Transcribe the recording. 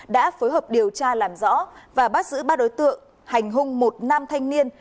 đã phối hợp điều tra làm rõ và bắt giữ ba đối tượng hành hung một nam thanh niên